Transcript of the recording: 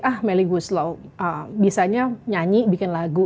ah melly guslo bisanya nyanyi bikin lagu